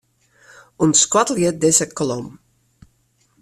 Untskoattelje dizze kolom.